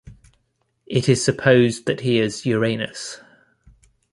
It is supposed that he is Uranus.